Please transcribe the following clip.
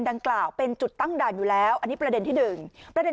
ดังกล่าวเป็นจุดตั้งด่านอยู่แล้วอันนี้ประเด็นที่หนึ่งประเด็น